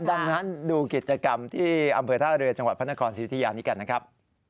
ดังนั้นดูกิจกรรมที่อำเภอท่าเรือจังหวัดพระนครศรีอุทิยานี้กันนะครับ